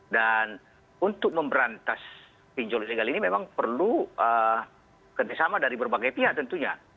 untuk memberantas pinjol ilegal ini memang perlu kerjasama dari berbagai pihak tentunya